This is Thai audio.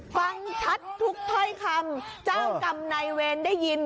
ฟังชัดทุกถ้อยคำเจ้ากรรมนายเวรได้ยิน